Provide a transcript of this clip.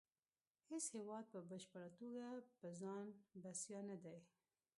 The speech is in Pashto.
هیڅ هیواد په بشپړه توګه په ځان بسیا نه دی